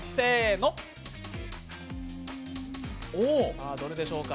さあ、どれでしょうか。